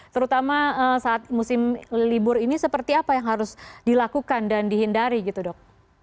terutama saat musim libur ini seperti apa yang harus dilakukan dan dihindari gitu dok